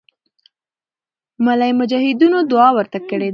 ملی مجاهدینو دعا ورته کړې ده.